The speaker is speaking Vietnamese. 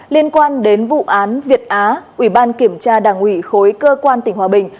liên quan đến vụ án việt á ủy ban kiểm tra đảng ủy khối cơ quan tỉnh hòa bình